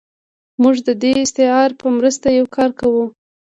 موږ د دې استعارې په مرسته یو کار کوو.